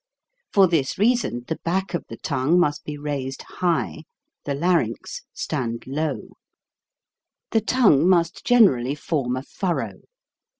For this reason the back of the tongue must be raised high, the larynx stand low. The tongue must generally form a furrow.